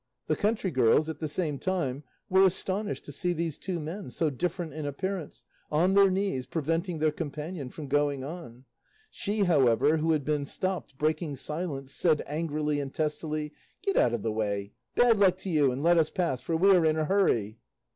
The country girls, at the same time, were astonished to see these two men, so different in appearance, on their knees, preventing their companion from going on. She, however, who had been stopped, breaking silence, said angrily and testily, "Get out of the way, bad luck to you, and let us pass, for we are in a hurry."